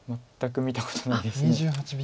全く見たことないです。